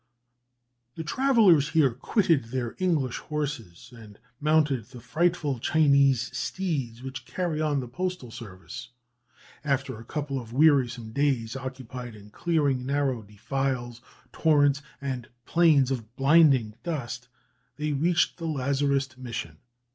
The travellers here quitted their English horses, and mounted the frightful Chinese steeds which carry on the postal service. After a couple of wearisome days, occupied in clearing narrow defiles, torrents, and plains of blinding dust, they reached the Lazarist Mission.